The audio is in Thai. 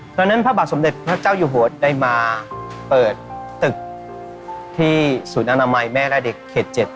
พระบาทสมเด็จพระเจ้าอยู่หัวได้มาเปิดตึกที่ศูนย์อนามัยแม่และเด็กเขต๗